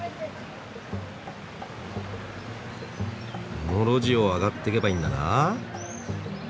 この路地を上がっていけばいいんだな。